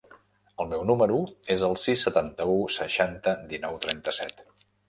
El meu número es el sis, setanta-u, seixanta, dinou, trenta-set.